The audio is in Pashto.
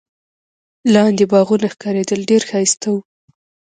لاندي باغونه ښکارېدل، ډېر ښایسته وو.